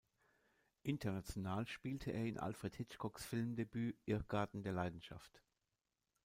International spielte er in Alfred Hitchcocks Filmdebüt "Irrgarten der Leidenschaft".